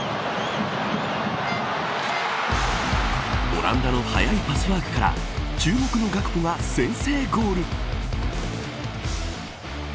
オランダの速いパスワークから注目のガクポが先制ゴール。